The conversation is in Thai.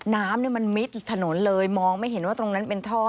น้ำมันมิดถนนเลยมองไม่เห็นว่าตรงนั้นเป็นท่อ